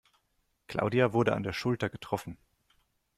Claudia wurde an der Schulter getroffen.